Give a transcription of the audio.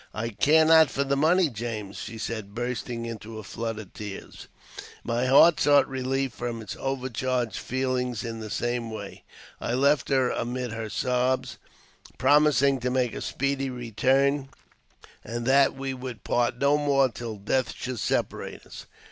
"I care not for money, James," she said, bursting into a flood of tears. My heart sought rehef from its overcharged feeling in the same v^ay. I left her amid her sobs, promising to make a speedy return, and that we would part no more till death should separate us.